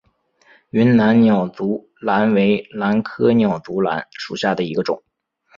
云南鸟足兰为兰科鸟足兰属下的一个种。